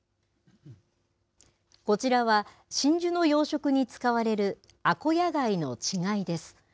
こちらは、真珠の養殖に使われるアコヤガイの稚貝です。